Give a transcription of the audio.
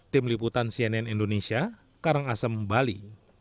tim liputan cnn indonesia karangasem bali